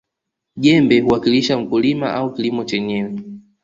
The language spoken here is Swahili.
jembe huwakilisha mkulima au kilimo chenyewe